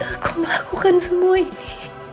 aku melakukan semua ini